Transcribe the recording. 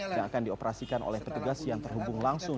yang akan dioperasikan oleh petugas yang terhubung langsung